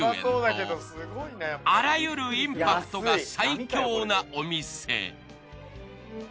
あらゆるインパクトが最強なお店。